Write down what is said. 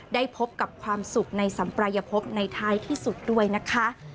ได้พบกับความสุขในสัมปรายภพในท้ายที่สุดด้วยนะคะ